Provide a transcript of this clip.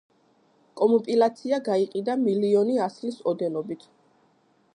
კომპილაცია გაიყიდა მილიონი ასლის ოდენობით.